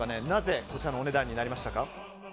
なぜ、こちらのお値段になりましたか？